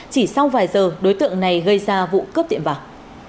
chỉ sau vài giờ đối tượng này gây ra vụ cướp tiệm vàng